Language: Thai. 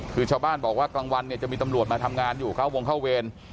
คือชาวบ้านบอกว่ากลางวันเนี่ยจะมีตำรวจมาทำงานอยู่เข้าวงเข้าเวร